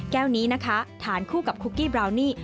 แก้วนี้นะคะทานคู่กับคุกกี้บราวนี่